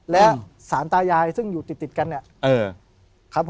และศาลตายายซึ่งอยู่ติดกันเนี่ย